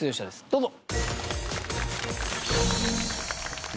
どうぞ。